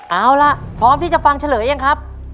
เอาล่ะพร้อมที่จะฟังเฉลยยังครับ